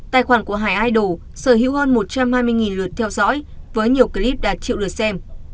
tài khoản của hải idal sở hữu hơn một trăm hai mươi lượt theo dõi với nhiều clip đạt triệu lượt xem